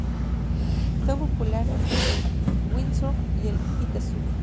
Son populares el Windsurf y el Kitesurf.